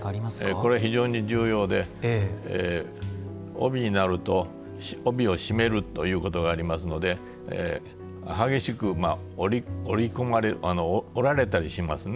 これは非常に重要で帯になると帯を締めるということがありますので激しく折り込まれる折られたりしますね。